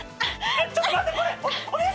ちょっと待ってこれお姉さん！